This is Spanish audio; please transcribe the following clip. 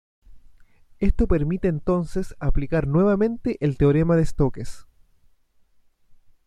Esto permite entonces aplicar nuevamente el Teorema de Stokes.